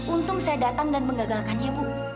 untung saya datang dan mengagalkannya bu